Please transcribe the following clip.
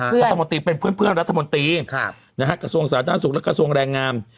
รัฐมนตรีเป็นเพื่อนรัฐมนตรีกระทรวงสาธารณสุขและกระทรวงแรงงาม